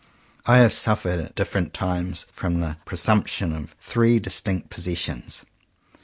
I have suffered at different times from the presumption of three distinct "pos sessions."